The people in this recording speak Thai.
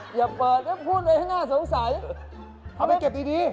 เฮ้ยอย่าเปิดพูดเลยให้หน้าสงสัยเอาไว้เก็บดี